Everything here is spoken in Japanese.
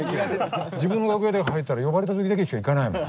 自分の楽屋に入ったら呼ばれた時だけしか行かないもん。